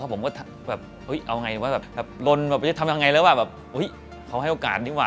ผมก็ว่าเอ้ยเอาไงนี่วะ